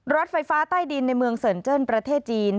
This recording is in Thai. รถไฟฟ้าใต้ดินในเมืองเซินเจิ้นประเทศจีน